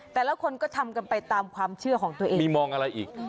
แต่ละคนก็ทำกันไปตามความเชื่อของตัวเองมีมองอะไรอีก